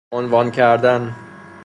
عنوان کردن